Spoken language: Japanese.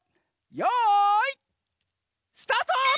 よいスタート！